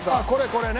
これね。